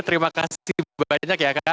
terima kasih banyak ya kak